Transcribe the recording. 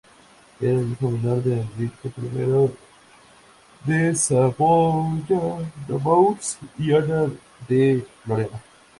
Era el hijo menor de Enrique I de Saboya-Nemours y Ana de Lorena.